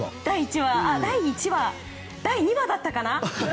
第１話、第２話だったかな？